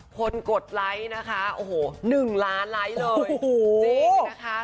คนกดไลค์นะคะ๑ล้านไลค์เลย